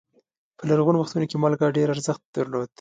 په لرغونو وختونو کې مالګه ډېر ارزښت درلود.